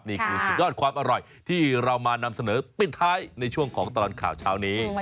นี่คือสุดยอดความอร่อยที่เรามานำเสนอปิดท้ายในช่วงของตลอดข่าวเช้านี้